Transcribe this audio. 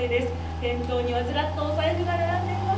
店頭にはずらっとお財布が並んでいます。